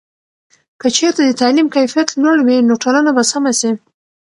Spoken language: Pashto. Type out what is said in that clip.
که چېرته د تعلیم کیفیت لوړ وي، نو ټولنه به سمه سي.